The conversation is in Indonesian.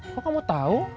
kok kamu tau